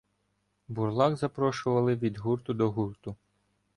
Бурлак запрошували від гурту до гурту.